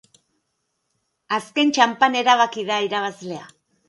Azken txanpan erabaki da irabazlea.